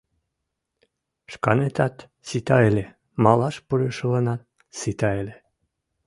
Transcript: Шканетат сита ыле, малаш пурышыланат сита ыле!..